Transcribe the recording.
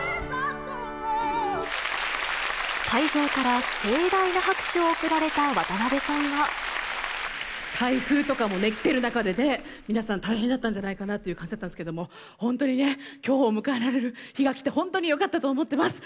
会場から盛大な拍手を送られた渡台風とかも来ている中でね、皆さん、大変だったんじゃないかなという感じだったんですけども、本当にね、きょうを迎えられる日が来て、本当によかったと思っています。